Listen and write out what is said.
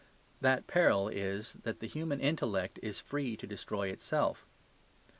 That peril is that the human intellect is free to destroy itself.